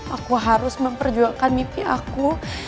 aku harus memperjuangkan mimpi aku